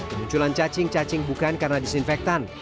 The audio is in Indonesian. kemunculan cacing cacing bukan karena disinfektan